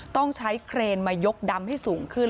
ต้องใช้เครนมายกดำให้สูงขึ้น